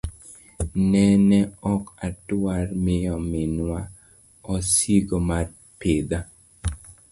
Nene ok adwar miyo minwa osigo mar pidha.